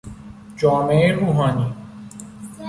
جامهی روحانی